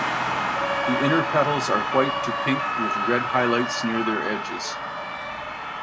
The inner petals are white to pink with red highlights near their edges.